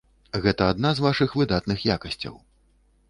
Гэта адна з вашых выдатных якасцяў.